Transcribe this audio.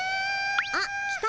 あっ来た。